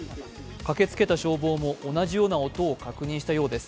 駆けつけた消防も同じような音を確認したようです。